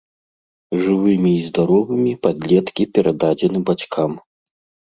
Жывымі і здаровымі падлеткі перададзены бацькам.